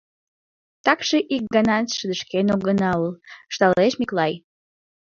— Такше ик ганат шыдешкен огына ул, — ышталеш Миклай.